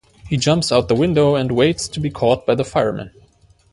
He jumps out the window and waits to be caught by the firemen.